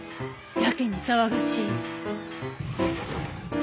やけに騒がしい。